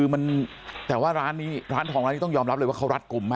ร้านทองร้านนี้ต้องยอมรับเลยว่าเป็นรัฐกลุ่ม